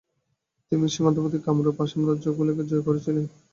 তিনি সীমান্তবর্তী কামরূপ এবং আসাম রাজ্যগুলি জয় করেছিলেন।